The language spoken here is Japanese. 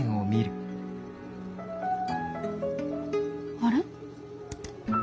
あれ？